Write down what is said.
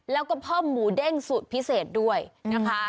แล้วก็เพิ่มหมูเด้งสูตรพิเศษด้วยนะคะ